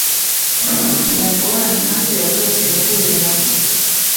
mu ngorane hafi ya zose yahuye na zo